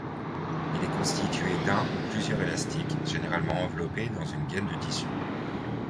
Il est constitué d'un ou plusieurs élastiques, généralement enveloppé dans une gaine de tissus.